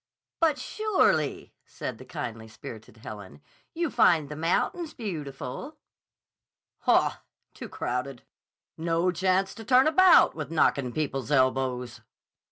"But surely," said the kindly spirited Helen, "you find the mountains beautiful." "Haw! Too crowded. No chance to turn about without knockin' people's elbows."